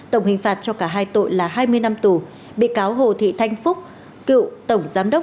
tổng hình phạt cho cả hai tội là hai mươi năm tù bị cáo hồ thị thanh phúc cựu tổng giám đốc